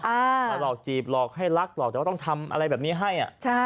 มาหลอกจีบหลอกให้รักหลอกแต่ว่าต้องทำอะไรแบบนี้ให้อ่ะใช่